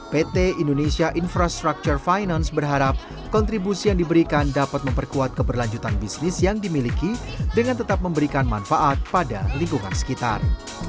pt indonesia infrastructure finance berharap kontribusi yang diberikan dapat memperkuat keberlanjutan bisnis yang dimiliki dengan tetap memberikan manfaat pada lingkungan sekitar